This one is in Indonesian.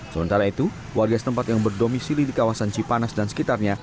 sementara itu warga setempat yang berdomisili di kawasan cipanas dan sekitarnya